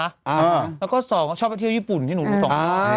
แล้วก็สองแล้วก็ไม่รู้ก็ชอบเที่ยวยีปุ่นที่หนูรู้สอง